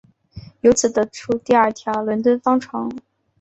由此得出第二条伦敦方程。